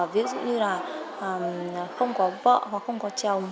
ví dụ như là không có vợ hoặc không có chồng